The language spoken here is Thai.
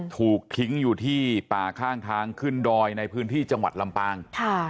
ถูกทิ้งอยู่ที่ป่าข้างทางขึ้นดอยในพื้นที่จังหวัดลำปาง